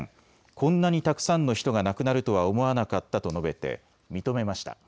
こんなにたくさんの人が亡くなるとは思わなかったと述べて認めました。